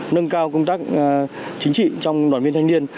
nâng cao công tác chính trị trong đoàn viên thanh niên